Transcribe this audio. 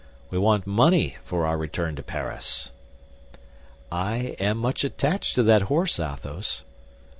We want money for our return to Paris." "I am much attached to that horse, Athos."